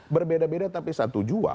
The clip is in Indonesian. berbeda beda tapi satu dua